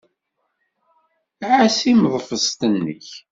Ɛass timeḍfest-nnek.